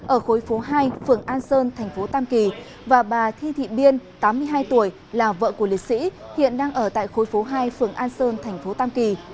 ở khối phố hai phường an sơn thành phố tam kỳ và bà thi thị biên tám mươi hai tuổi là vợ của lịch sĩ hiện đang ở tại khối phố hai phường an sơn thành phố tam kỳ